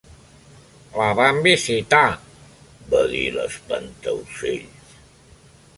"La vam visitar", va dir l'Espantaocells.